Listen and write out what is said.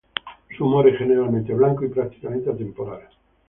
Su humor es generalmente blanco y prácticamente atemporal.